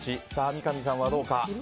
三上さんはどうか。